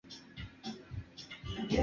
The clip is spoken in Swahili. mchango wake katika uchafuzi wa hewa ni